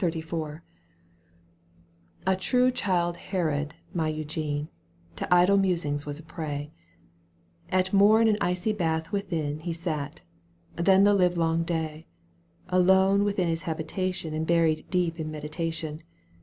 XXXIV. A true Chflde Harold my Eugene To idle musing was a prey ; At mom an icy bath within He sat, and then the livelong day. Alone within his habitation And buried deep in meditation.